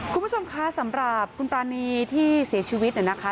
คุณผู้ชมคะสำหรับคุณปรานีที่เสียชีวิตเนี่ยนะคะ